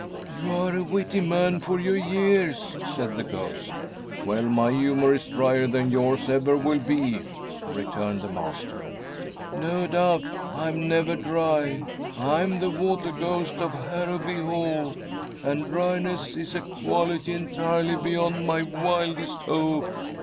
"You are a witty man for your years," said the ghost. "Well, my humor is drier than yours ever will be," returned the master. "No doubt. I'm never dry. I am the Water Ghost of Harrowby Hall, and dryness is a quality entirely beyond my wildest hope.